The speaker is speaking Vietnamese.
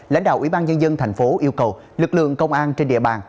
lãnh đạo ủy ban nhân dân tp yêu cầu lực lượng công an trên địa bàn